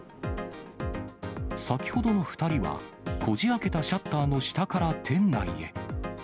先ほどの２人は、こじあけたシャッターの下から店内へ。